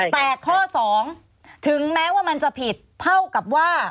แต่ข้อ๒ถึงแม้ว่ามันจะผิดเท่ากับว่า